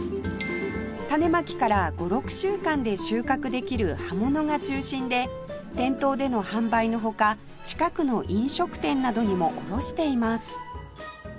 種まきから５６週間で収穫できる葉物が中心で店頭での販売の他近くの飲食店などにも卸しています